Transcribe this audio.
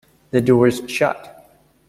The door's shut.